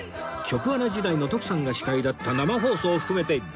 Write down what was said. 局アナ時代の徳さんが司会だった生放送を含めて１７本！